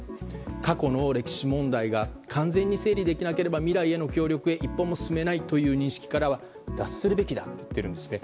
過去の歴史問題が完全に整理できなければ未来への協力へ一歩も進めないという認識から脱するべきだと言っているんですね。